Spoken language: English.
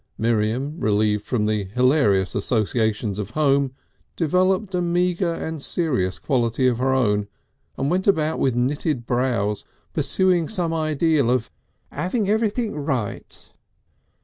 Miriam, relieved from the hilarious associations of home, developed a meagre and serious quality of her own, and went about with knitted brows pursuing some ideal of "'aving everything right."